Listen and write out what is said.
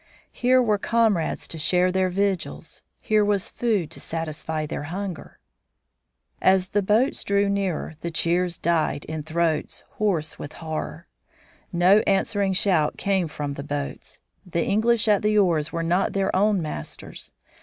Here were comrades to share their vigils. Here was food to satisfy their hunger. As the boats drew nearer, the cheers died in throats hoarse with horror. No answering shout came from the boats. The English at the oars were not their own masters.